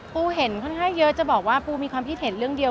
ปูเห็นค่อนข้างเยอะจะบอกว่าปูมีความคิดเห็นเรื่องเดียว